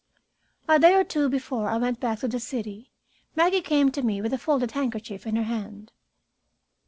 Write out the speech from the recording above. A day or two before I went back to the city, Maggie came to me with a folded handkerchief in her hand.